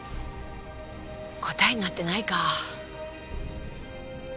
答えになってないか。